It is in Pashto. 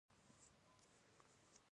غریبه تشه توره راغله.